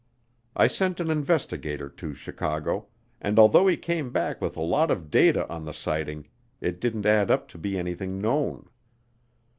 I sent an investigator to Chicago, and although he came back with a lot of data on the sighting, it didn't add up to be anything known.